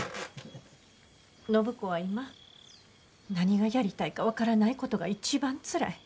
暢子は今何がやりたいか分からないことが一番つらい。